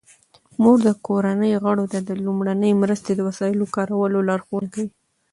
مور د کورنۍ غړو ته د لومړنۍ مرستې د وسایلو کارولو لارښوونه کوي.